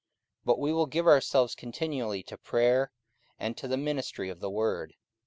44:006:004 But we will give ourselves continually to prayer, and to the ministry of the word.